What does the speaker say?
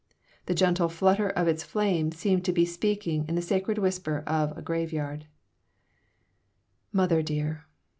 The gentle flutter of its flame seemed to be speaking in the sacred whisper of a grave yard "Mother dear!